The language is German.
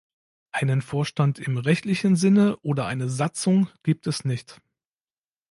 Einen Vorstand im rechtlichen Sinne oder eine Satzung gibt es nicht.